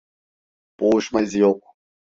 Boğuşma izi yok.